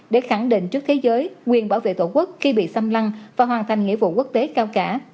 để khẳng định trước thế giới quyền bảo vệ tổ quốc khi bị xâm lăng và hoàn thành nghĩa vụ quốc tế cao cả